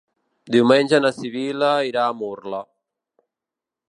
Diumenge na Sibil·la irà a Murla.